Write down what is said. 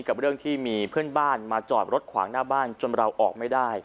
กับเรื่องที่มีเพื่อนบ้านมาจอดรถขวางหน้าบ้านจนเราออกไม่ได้